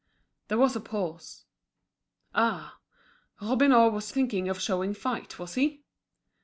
There was a pause. Ah! Robineau was thinking of showing fight, was he!